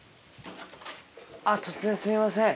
あっ突然すいません